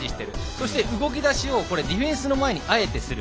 動きだしを、ディフェンスの前にあえてする。